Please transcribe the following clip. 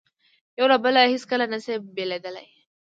یو له بله هیڅکله نه شي بېلېدای.